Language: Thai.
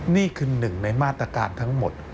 นี่คือหนึ่งในมาตรการทั้งหมด